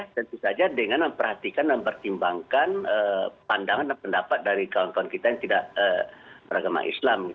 tentu saja dengan memperhatikan dan mempertimbangkan pandangan dan pendapat dari kawan kawan kita yang tidak beragama islam